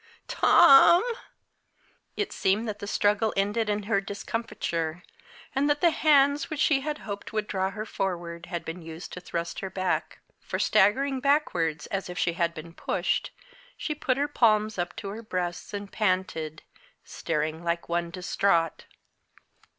Tom!" It seemed that the struggle ended in her discomfiture, and that the hands which she had hoped would draw her forward had been used to thrust her back; for, staggering backwards as if she had been pushed, she put her palms up to her breasts and panted, staring like one distraught.